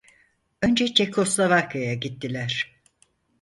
Önce Çekoslovakya'ya gittiler.